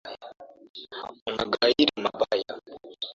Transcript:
Unaghairi mabaya